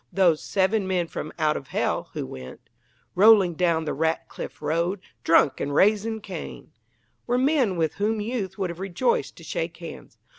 Those "seven men from out of Hell" who went Rolling down the Ratcliff Road, Drunk, and raising Cain, were men with whom youth would have rejoiced to shake hands.